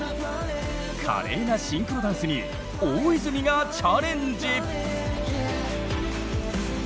華麗なシンクロダンスに大泉がチャレンジ！